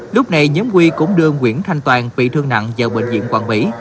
lúc này nhóm huy cũng đưa nguyễn thanh toàn bị thương nặng vào bệnh viện quảng mỹ